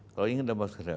kalau ingin mendemokrasikan